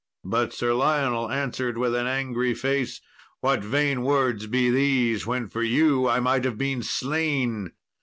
But Sir Lionel answered, with an angry face, "What vain words be these, when for you I might have been slain?